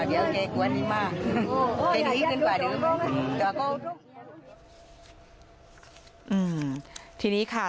เกรกว่านี้มาก